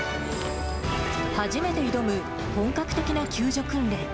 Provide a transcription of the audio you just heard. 初めて挑む、本格的な救助訓練。